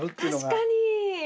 確かに。